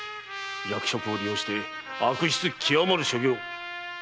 役職を利用して悪質極まる所業。